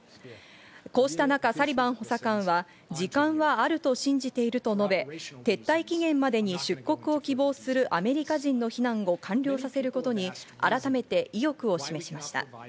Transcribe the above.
こうした中、サリバン補佐官は時間はあると信じていると述べ、撤退期限までに出国を希望するアメリカ人の避難を完了させることに改めて意欲を示しました。